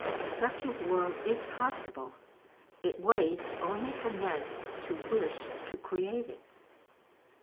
Such a world is possible; it waits only for men to wish to create it.